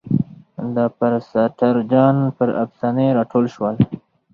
د پرسټر جان پر افسانې را ټول شول.